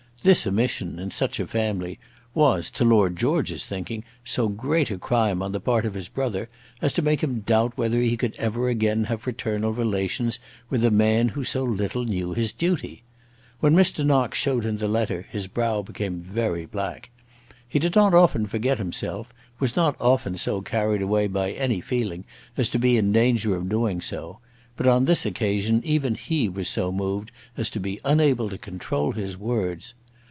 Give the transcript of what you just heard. This omission, in such a family, was, to Lord George's thinking, so great a crime on the part of his brother, as to make him doubt whether he could ever again have fraternal relations with a man who so little knew his duty. When Mr. Knox showed him the letter his brow became very black. He did not often forget himself, was not often so carried away by any feeling as to be in danger of doing so. But on this occasion even he was so moved as to be unable to control his words.